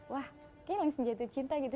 wah kayaknya langsung jatuh cinta gitu